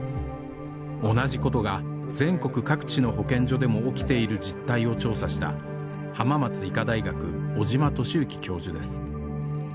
同じことが全国各地の保健所でも起きている実態を調査した浜松医科大学尾島俊之教授です